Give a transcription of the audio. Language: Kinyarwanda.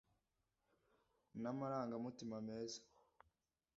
n'amarangamutima meza